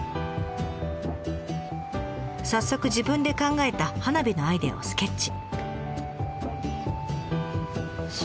早速自分で考えた花火のアイデアをスケッチ。